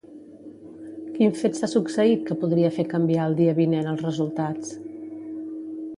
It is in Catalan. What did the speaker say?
Quin fet s'ha succeït que podria fer canviar el dia vinent els resultats?